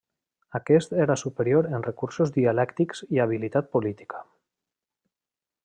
Aquest era superior en recursos dialèctics i habilitat política.